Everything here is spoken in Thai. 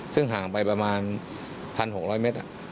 ซึ่งห่างไปประมาณ๑๖๐๐เมตร